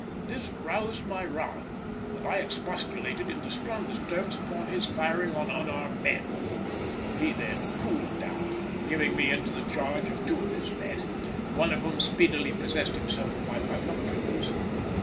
This roused my wrath, and I expostulated in the strongest terms upon his firing on unarmed men; he then cooled down, giving me into the charge of two of his men, one of whom speedily possessed himself of my binoculars.